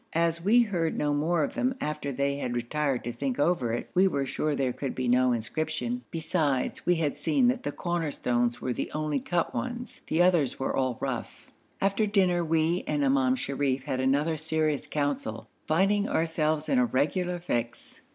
As we heard no more of them after they had retired to think over it, we were sure there could be no inscription. Besides we had seen that the corner stones were the only cut ones; the others were all rough. After dinner we and Imam Sharif had another serious council, finding ourselves in a regular fix.